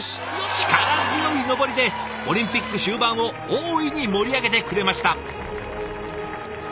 力強い登りでオリンピック終盤を大いに盛り上げてくれました。